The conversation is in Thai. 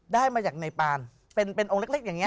ได้มาจากในปานเป็นองค์เล็กอย่างนี้